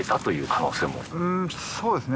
うんそうですね。